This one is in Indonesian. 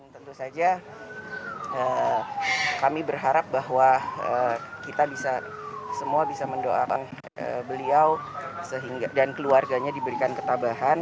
tentu saja kami berharap bahwa kita bisa semua bisa mendoakan beliau dan keluarganya diberikan ketabahan